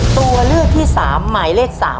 ตัวเลือกที่๓หมายเลข๓